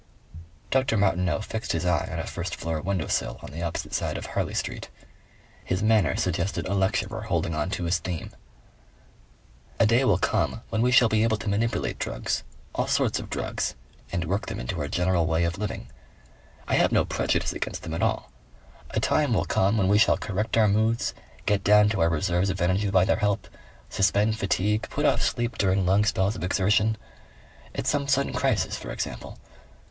Dr. Martineau fixed his eye on a first floor window sill on the opposite side of Harley Street. His manner suggested a lecturer holding on to his theme. "A day will come when we shall be able to manipulate drugs all sorts of drugs and work them in to our general way of living. I have no prejudice against them at all. A time will come when we shall correct our moods, get down to our reserves of energy by their help, suspend fatigue, put off sleep during long spells of exertion. At some sudden crisis for example.